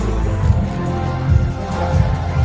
สโลแมคริปราบาล